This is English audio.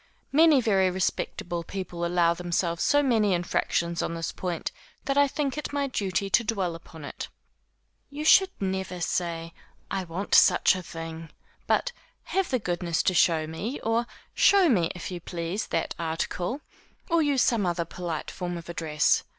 Many very respectable people allow themselves so many infractions on this point, that I think it my duty to dwell upon it. You should never say, I want such a thing, but, have the goodness to show me, or show me, if you please, that article, or use some other polite form of address.